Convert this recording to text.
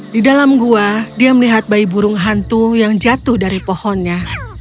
di dalam gua dia melihat bayi burung hantu yang jatuh dari pohonnya